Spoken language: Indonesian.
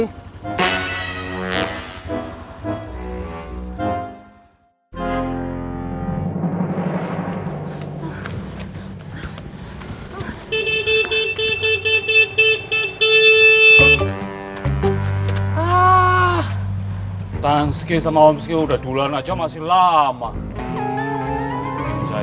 wah tansky sama omsky udah duluan aja masih lama